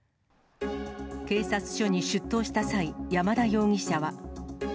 警察署に出頭した際、山田容疑者は。